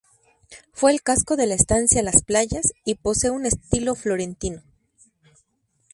Fue el casco de la estancia "Las Playas", y posee un estilo florentino.